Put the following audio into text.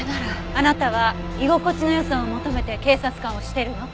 あなたは居心地の良さを求めて警察官をしてるの！？